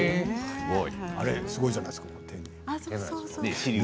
あれはすごいじゃないですか。